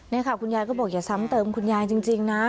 นี่ค่ะคุณยายก็บอกอย่าซ้ำเติมคุณยายจริงนะ